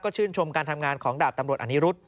ชื่นชมการทำงานของดาบตำรวจอนิรุธ